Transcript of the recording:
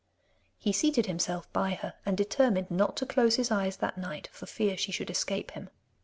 He seated himself by her, and determined not to close his eyes that night, for fear she should escape him.